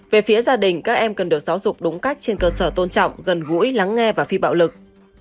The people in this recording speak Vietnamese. về phía gia đình các em cần được giáo dục đúng cách trên cơ sở tôn trọng gần gũi lắng nghe và phi bạo lực